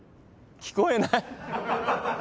聞こえない。